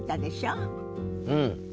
うん。